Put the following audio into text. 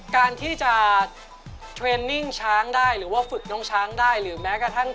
ใครคือปริศนามหาสนุกที่เป็นขวานชางตัวจริง